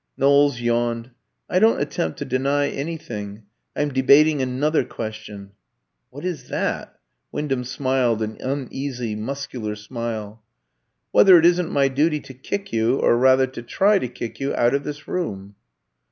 Knowles yawned. "I don't attempt to deny anything. I'm debating another question." "What is that?" Wyndham smiled an uneasy muscular smile. "Whether it isn't my duty to kick you, or rather to try to kick you, out of this room."